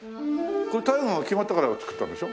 これ大河が決まったから作ったんでしょ？